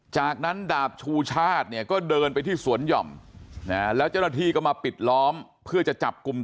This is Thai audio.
จากนั้นดาบชูชาติเนี่ยก็เดินไปที่สวนหย่อมนะแล้วเจ้าหน้าที่ก็มาปิดล้อมเพื่อจะจับกลุ่มตัว